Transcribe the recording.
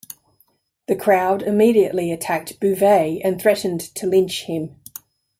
The crowd immediately attacked Bouvet and threatened to lynch him.